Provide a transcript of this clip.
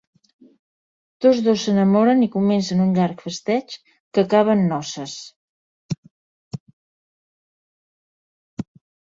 Tots dos s'enamoren i comencen un llarg festeig que acaba en noces.